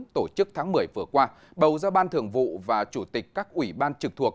tổ chức tháng một mươi vừa qua bầu ra ban thường vụ và chủ tịch các ủy ban trực thuộc